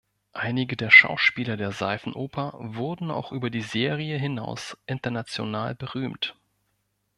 Einige der Schauspieler der Seifenoper wurden auch über die Serie hinaus international berühmt.